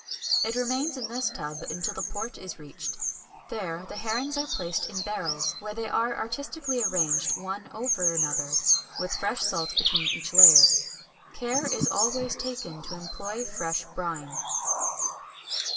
It remains in this tub until the port is reached. There the herrings are placed in barrels, where they are artistically arranged one over another, with fresh salt between each layer. Care is always taken to employ fresh brine.